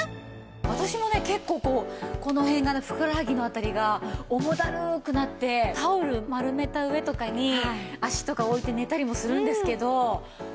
私もね結構こうこの辺がねふくらはぎの辺りが重だるくなってタオル丸めた上とかに脚とか置いて寝たりもするんですけど。